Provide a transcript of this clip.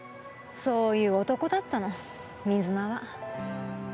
そういう男だったの水間は。